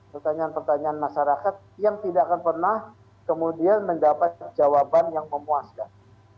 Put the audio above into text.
pertanyaan pertanyaan masyarakat yang tidak akan pernah kemudian mendapat jawaban yang memuaskan